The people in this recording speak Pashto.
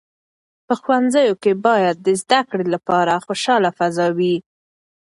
په ښوونځیو کې باید د زده کړې لپاره خوشاله فضا وي.